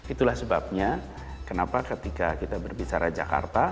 itulah sebabnya kenapa ketika kita berbicara jakarta